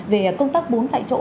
về công tác bốn tại chỗ